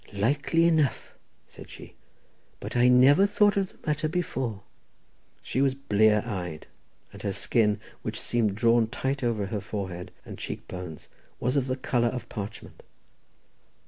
"Likely enough," said she, "but I never thought of the matter before." She was blear eyed, and her skin, which seemed drawn tight over her forehead and cheek bones, was of the colour of parchment.